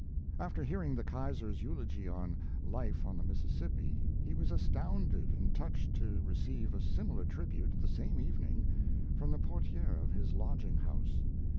After hearing the Kaiser's eulogy on 'Life on the Mississippi', he was astounded and touched to receive a similar tribute, the same evening, from the portier of his lodging house.